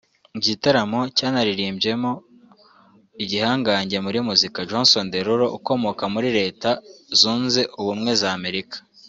igitaramo cyanaririmbyemo igihangange muri muzika Jason Derulo ukomoka muri Retza zunze ubumwe za Amerika